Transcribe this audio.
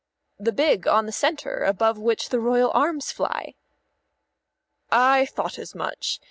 "The big on in the centre, above which the Royal Arms fly." "I thought as much.